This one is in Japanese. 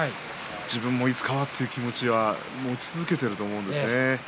自分もいつかはという気持ちは持ち続けていると思います。